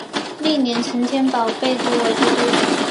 翌年陈添保被封为都督。